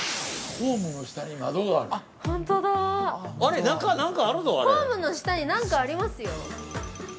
◆ホームの下になんかありますよ。